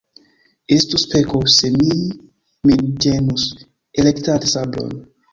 Estus peko, se mi min ĝenus, elektante sabron.